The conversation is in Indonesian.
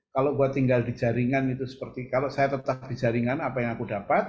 kalau gue tinggal di jaringan itu seperti kalau saya tetap di jaringan apa yang aku dapat